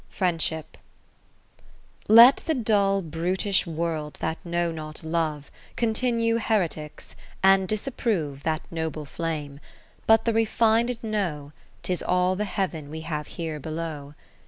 Friendship Let the dull brutish World that know not Love, Continue heretics, and disapprove That noble flame ; but the refined know, 'Tis all the Heaven we have here below.